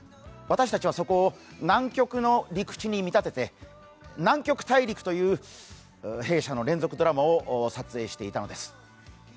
私たちはそこを南極の陸地に見立てて「南極大陸」という弊社の連続ドラマを撮影していたのです。